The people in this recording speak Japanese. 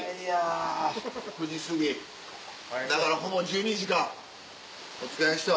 ９時過ぎだからほぼ１２時間お疲れでした。